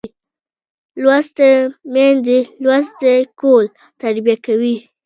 لوستې میندې لوستی کول تربیه کوي